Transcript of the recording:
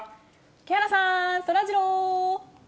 木原さん、そらジロー。